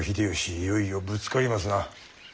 いよいよぶつかりますな。